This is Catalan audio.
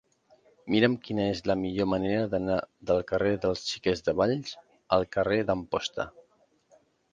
Mira'm quina és la millor manera d'anar del carrer dels Xiquets de Valls al carrer d'Amposta.